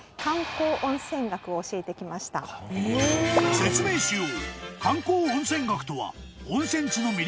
［説明しよう］